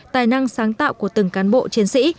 tài năng sáng tạo của từng cán bộ chiến sĩ